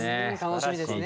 楽しみですね。